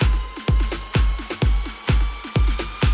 โปรดติดตามตอนต่อไป